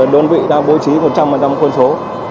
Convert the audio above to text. đơn vị đã bố trí một trăm linh quân số